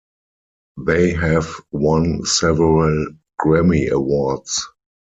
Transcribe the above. They have won several Grammy Awards.